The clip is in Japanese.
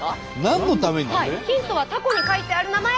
ヒントはたこに書いてある名前。